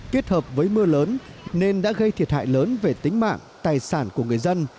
kết hợp với mưa lớn nên đã gây thiệt hại lớn về tính mạng tài sản của người dân